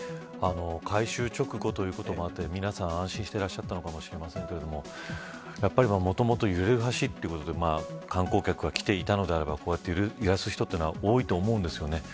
改修直後ということで皆さん安心していらっしゃったのかもしれませんがもともと揺れる橋と言われて観光客が来ていたのであればこうやって揺らす人も多いと思います。